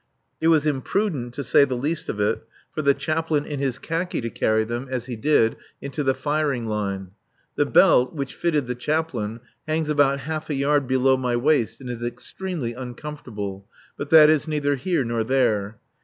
It was imprudent, to say the least of it, for the Chaplain in his khaki, to carry them, as he did, into the firing line. The belt, which fitted the Chaplain, hangs about half a yard below my waist and is extremely uncomfortable, but that is neither here nor there.